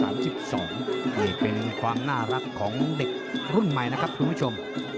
นี่เป็นความน่ารักของเด็กรุ่นใหม่นะครับคุณผู้ชม